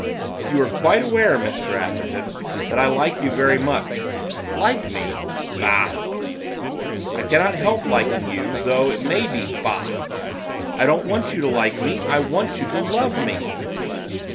'You are quite aware, Mr Atherton, that I like you very much.' 'Like me! Bah!' 'I cannot help liking you, though it may be "bah."' 'I don't want you to like me, I want you to love me.